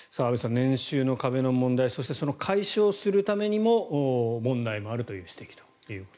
年収の壁の問題そして、その解消するためにも問題もあるという指摘と。